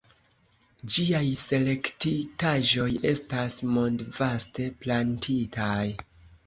Ĝiaj selektitaĵoj estas mondvaste plantitaj.